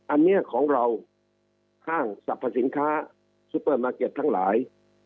อันนี้ของเราห้างสรรพสินค้าซุปเปอร์มาร์เก็ตทั้งหลาย